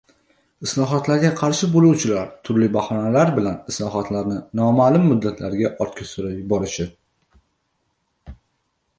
islohotlarga qarshi bo‘luvchilar turli bahonalar bilan islohotlarni noma’lum muddatga ortga surib yuborishi